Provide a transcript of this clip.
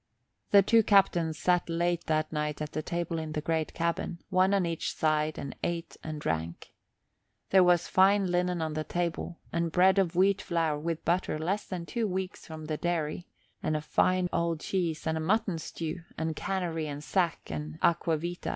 The two captains sat late that night at the table in the great cabin, one on each side, and ate and drank. There was fine linen on the table, and bread of wheat flour with butter less than two weeks from the dairy, and a fine old cheese, and a mutton stew, and canary and sack and aqua vitæ.